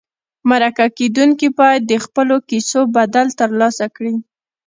مرکه کېدونکي باید د خپلو کیسو بدل ترلاسه کړي.